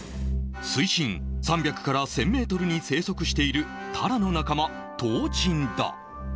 水深３００から１０００メートルに生息しているタラの仲間、トウジンだ。